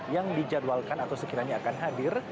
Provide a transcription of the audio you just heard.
yang dijadwalkan atau sekiranya akan hadir